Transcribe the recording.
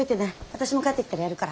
私も帰ってきたらやるから。